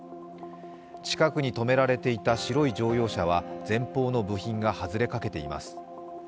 近くに止められていた白い乗用車は前方の部品が外れかけています。